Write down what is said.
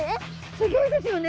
すギョいですよね。